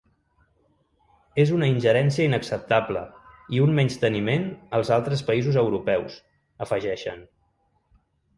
“És una ingerència inacceptable i un menysteniment als altres països europeus”, afegeixen.